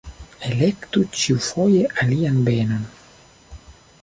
Elektu ĉiufoje alian benon.